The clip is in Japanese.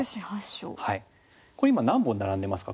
これ今何本並んでますか？